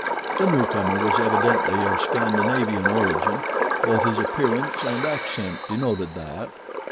The newcomer was evidently of Scandinavian origin—both his appearance and accent denoted that.